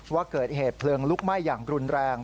ว่าเกิดเหตุเพลิงลุกไหม้อย่างรุนแรง